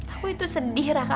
aku itu sedih raka